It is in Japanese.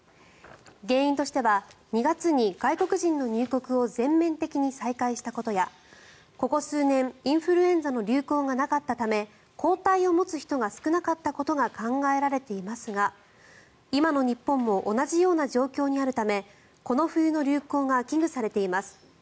原因としては２月に外国人の入国を全面的に再開したことやここ数年、インフルエンザの流行がなかったため抗体を持つ人が少なかったことが考えられていますが今の日本も同じような状況にあるためこの冬の流行が危惧されています。